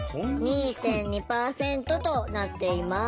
２．２％となっています。